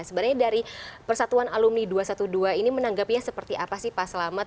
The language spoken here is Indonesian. sebenarnya dari persatuan alumni dua ratus dua belas ini menanggapinya seperti apa sih pak selamat